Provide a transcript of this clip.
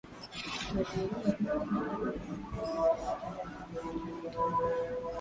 Walikubaliana miradi ya pamoja pamoja na mipango mingine